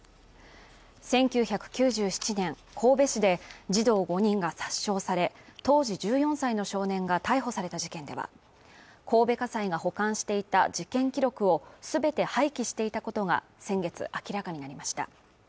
１９９７年神戸市で児童５人が殺傷され当時１４歳の少年が逮捕された事件では神戸家裁が保管していた事件記録をすべて廃棄していたことが先月明らかになりました